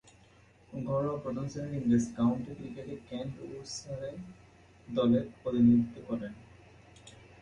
ঘরোয়া প্রথম-শ্রেণীর ইংরেজ কাউন্টি ক্রিকেটে কেন্ট ও সারে দলের প্রতিনিধিত্ব করেন।